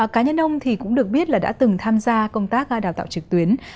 cá nhân ông thì cũng được biết là đã từng tham gia một cơ sở đào tạo trực tuyến